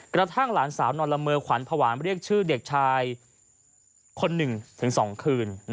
กระทั่งหลานสาวนอนละเมอขวัญผวานเรียกชื่อเด็กชาย๑๒คืน